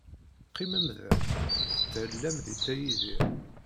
Qqimem da, tethellam deg Dda Yidir.